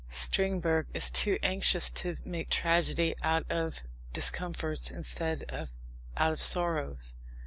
Strindberg is too anxious to make tragedy out of discomforts instead of out of sorrows.